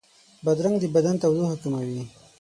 بادرنګ د بدن تودوخه کموي.